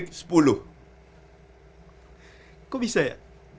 kok bisa ya